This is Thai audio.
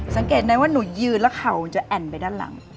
สังเกตไหมว่าหนูยืนแล้วเข่าจะแอ่นไปด้านหลัง